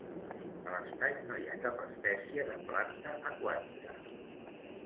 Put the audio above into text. A l'estany no hi ha cap espècie de planta aquàtica.